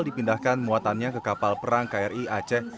dipindahkan muatannya ke kapal perang kri aceh